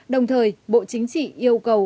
đồng thời bộ chính trị yêu cầu